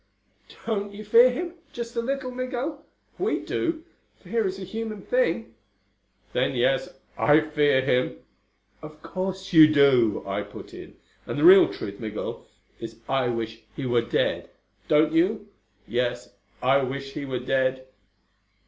"Don't you fear him just a little, Migul? We do. Fear is a human thing." "Then yes, I fear him." "Of course you do," I put in. "And the real truth, Migul, is I wish he were dead. Don't you?" "Yes. I wish he were dead."